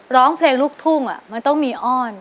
ร้องเพลงลูกทุ่งมันต้องมีอ้อน